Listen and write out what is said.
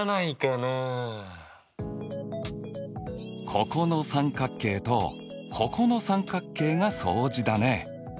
ここの三角形とここの三角形が相似だね。